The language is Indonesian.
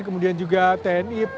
kemudian juga tni